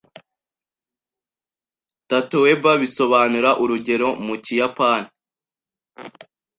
"Tatoeba" bisobanura "urugero" mu Kiyapani.